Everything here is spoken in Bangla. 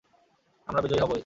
আমরা বিজয়ী হবই।